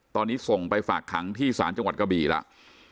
ตอนนี้ส่งไปฝากขังที่ศาลจังหวัดกะบี่แล้ว